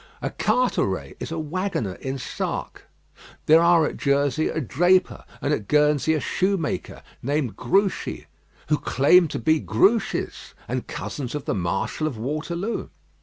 A Carteret is a waggoner in Sark. There are at Jersey a draper, and at Guernsey a shoemaker, named Gruchy, who claim to be Grouchys, and cousins of the Marshal of Waterloo.